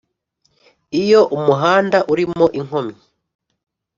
iyo umuhanda urimo inkomyi